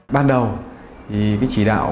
ban đầu thì cái chỉ đạo